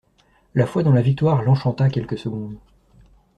La foi dans la victoire l'enchanta quelques secondes.